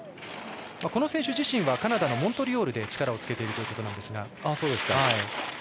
この選手自身はカナダのモントリオールで力をつけているということですが。